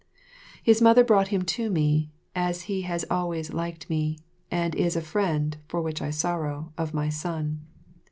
His mother brought him to me, as he has always liked me, and is a friend (for which I sorrow) of my son.